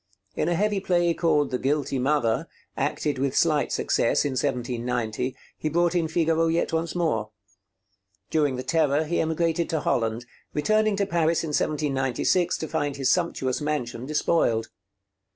In a heavy play called 'The Guilty Mother,' acted with slight success in 1790, he brought in Figaro yet once more. During the Terror he emigrated to Holland, returning to Paris in 1796 to find his sumptuous mansion despoiled.